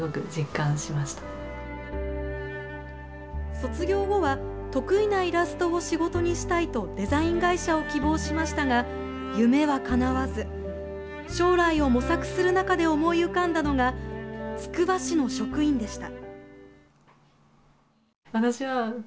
卒業後は得意なイラストを仕事にしたいとデザイン会社を希望しましたが夢はかなわず将来を模索する中で思い浮かんだのがつくば市の職員でした。